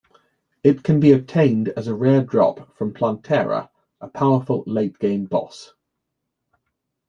It can be obtained as a rare drop from Plantera, a powerful late-game boss.